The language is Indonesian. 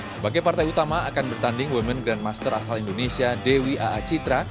sebagai partai utama akan bertanding women grandmaster asal indonesia dewi aa citra